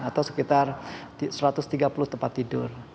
atau sekitar satu ratus tiga puluh tempat tidur